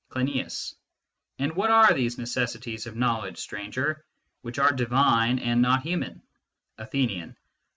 Cleinias. And what are these necessities of knowledge, Stranger, which are divine and not human ? Athenian.